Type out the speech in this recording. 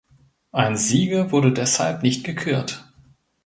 Ein Sieger wurde deshalb nicht gekürt.